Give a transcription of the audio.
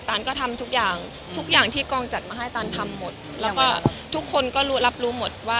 ตาลก็ทำทุกอย่างทุกอย่างที่กองจัดมาให้ตาลทำหมด